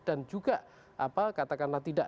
dan juga katakanlah tidak